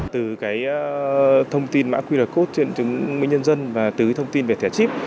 từ thông tin mã qr code trên chứng minh nhân dân và từ thông tin về thẻ chip